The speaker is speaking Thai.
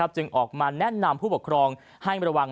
จึงออกมาแนะนำผู้ปกครองให้ระวัง